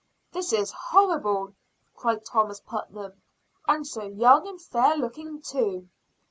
"This is horrible!" cried Thomas Putnam "and so young and fair looking, too!"